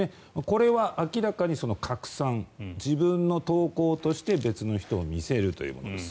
これは明らかに拡散自分の投稿として別の人に見せるというものです。